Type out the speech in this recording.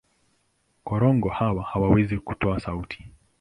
Korongo hawa hawawezi kutoa sauti.